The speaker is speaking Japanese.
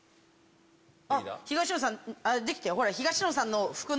あっ東野さんできたよ。